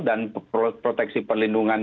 dan proteksi perlindungan